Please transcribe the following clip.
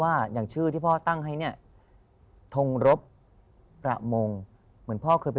อย่างชื่อที่พ่อตั้งให้เนี่ยทงรบประมงเหมือนพ่อเคยไป